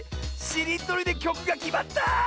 しりとりできょくがきまった！